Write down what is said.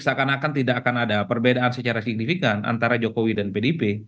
seakan akan tidak akan ada perbedaan secara signifikan antara jokowi dan pdip